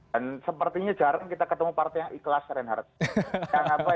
dan sepertinya jarang kita ketemu partai yang ikhlas renhardt